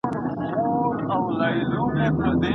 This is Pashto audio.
د هلکانو لیلیه سمدلاسه نه تطبیقیږي.